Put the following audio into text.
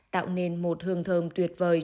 tạo nên một hương thơm tuyệt vời